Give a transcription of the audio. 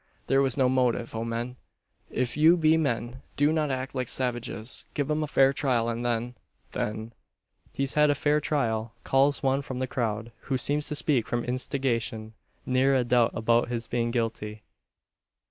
There was no motive. O men! if you be men, do not act like savages. Give him a fair trial, and then then " "He's had a fair trial," calls one from the crowd, who seems to speak from instigation; "Ne'er a doubt about his being guilty.